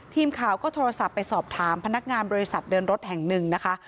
ทีมข่าวก็โทรศัพท์ไปสอบถามพนักงานบริษัทเดินรถแห่งหนึ่งนะคะ